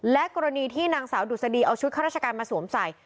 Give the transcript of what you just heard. และกรณีที่นางสาวดุษฎีเอาชุดข้าราชการมาสวมใส่